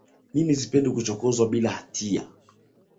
Mimi sipendi kuchokozwa bila hatia